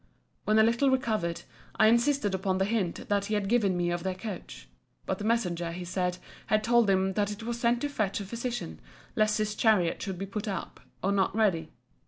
When a little recovered, I insisted upon the hint he had given me of their coach. But the messenger, he said, had told him, that it was sent to fetch a physician, lest his chariot should be put up, or not ready.